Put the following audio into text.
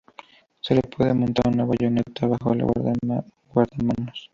Se le puede montar una bayoneta bajo el guardamanos.